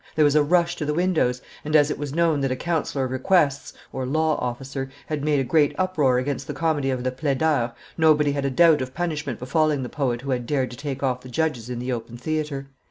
There was a rush to the windows, and, as it was known that a councillor of requests (law officer) had made a great uproar against the comedy of the Plaideurs, nobody had a doubt of punishment befalling the poet who had dared to take off the judges in the open theatre.